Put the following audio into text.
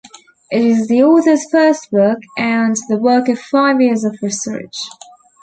It is the authors' first book and the work of five years of research.